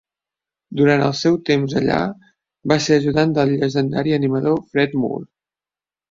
Durant el seu temps allà, va ser ajudant del llegendari animador Fred Moore.